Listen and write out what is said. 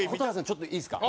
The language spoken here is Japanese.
ちょっといいですか？